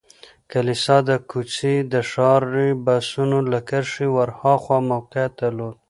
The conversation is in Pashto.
کلیسا د کوڅې د ښاري بسونو له کرښې ور هاخوا موقعیت درلود.